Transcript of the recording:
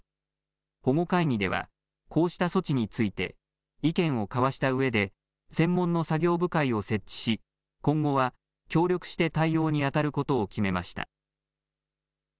保護会議ではこうした措置について意見を交わしたうえで専門の作業部会を設置し今後は協力して対応にあたることを決めました。